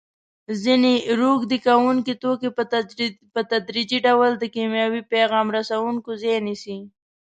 ځینې روږدې کوونکي توکي په تدریجي ډول د کیمیاوي پیغام رسوونکو ځای نیسي.